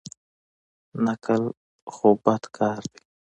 نقل خو بد کار دئ.